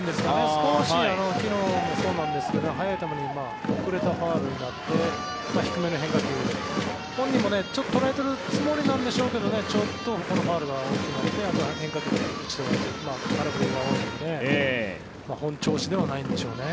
少し、昨日もそうなんですけど速い球に遅れたファウルになって低めの変化球本人も捉えているつもりなんでしょうけどちょっとこのファウルが多くなって変化球で打ち取られて空振りが多いので本調子ではないんでしょうね。